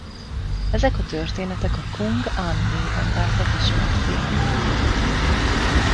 Ezek a történetek a kung-an néven váltak ismertté.